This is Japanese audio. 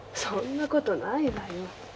そんな事ないわよ。